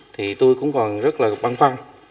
thì tôi cũng còn rất là băng phăng